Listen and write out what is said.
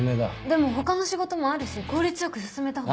でも他の仕事もあるし効率よく進めたほうが。